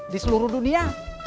di seluruh dunia